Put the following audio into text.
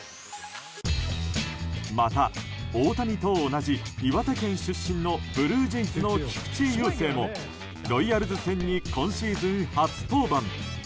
また、大谷と同じ岩手県出身のブルージェイズの菊池雄星もロイヤルズ戦に今シーズン初登板。